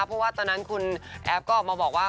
เพราะว่าตอนนั้นคุณแอฟก็ออกมาบอกว่า